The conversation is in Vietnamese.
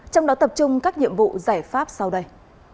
trong đó tập trung các nhiệm vụ giải pháp sau đây